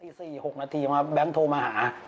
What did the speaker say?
๔๖นาทีมาแบงค์โทรมาหา